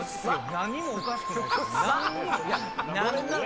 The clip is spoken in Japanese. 何もおかしくない。